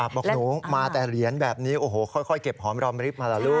บอกหนูมาแต่เหรียญแบบนี้โอ้โหค่อยเก็บหอมรอมริบมาเหรอลูก